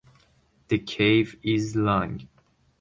The cave is long.